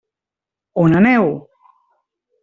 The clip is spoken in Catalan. On aneu?